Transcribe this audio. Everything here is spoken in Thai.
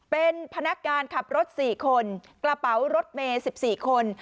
เป็นพนักงานขับรถ๔คนกระเป๋ารถเมย์๑๔คน